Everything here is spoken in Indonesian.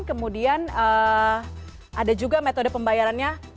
kemudian ada juga metode pembayarannya